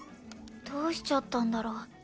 どうしちゃったんだろう？